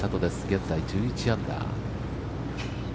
現在１１アンダー。